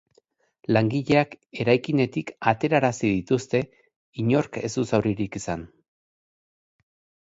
Langileak eraikinetik aterarazi dituzte, inork ez du zauririk izan.